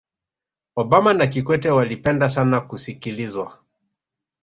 obama na kikwete walipenda sana kusikilizwa